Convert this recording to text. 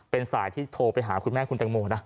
เป็นสายที่โทรไปหาคุณแม่คุณแตงโมนะ